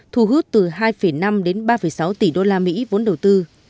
thu hút từ hai năm đến ba sáu tỷ đô la mỹ vốn đầu tư